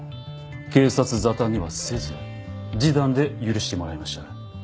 警察沙汰にはせず示談で許してもらいました。